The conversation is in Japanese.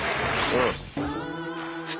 うん。